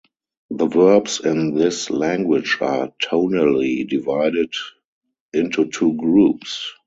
The verbs in this language are tonally divided into two groups.